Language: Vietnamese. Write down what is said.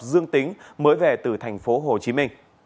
dương tính mới về từ tp hcm